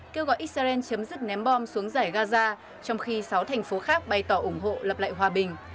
kêu gọi israel chấm dứt ném bom xuống giải gaza trong khi sáu thành phố khác bày tỏ ủng hộ lập lại hòa bình